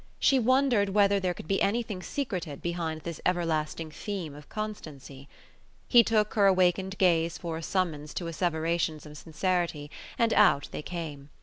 She wondered whether there could be anything secreted behind this everlasting theme of constancy. He took her awakened gaze for a summons to asseverations of sincerity, and out they came.